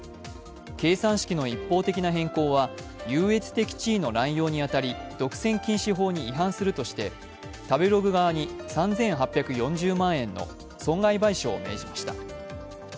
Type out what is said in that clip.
計算式の一方的な変更は優越的地位の濫用に当たり、独占禁止法に違反するとして食べログ側に３８４０万円の損害賠償を命じました。